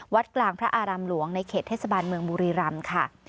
วัดกลางพระอารามหลวงในเขตเทศบาลเมืองบุรีรำค่ะ